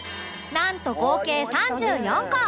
なんと合計３４個